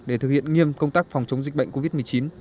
để thực hiện nghiêm công tác phòng chống dịch bệnh covid một mươi chín